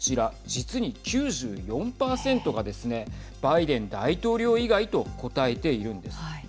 実に、９４％がですねバイデン大統領以外と答えているんです。